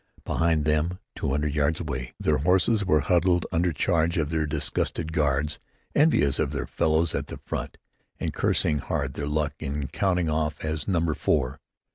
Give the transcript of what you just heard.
Behind them, two hundred yards away, their horses were huddled under charge of their disgusted guards, envious of their fellows at the front, and cursing hard their luck in counting off as number four.